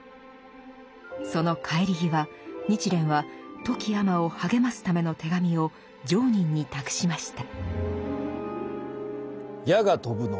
その帰り際日蓮は富木尼を励ますための手紙を常忍に託しました。